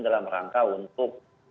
dalam rangka untuk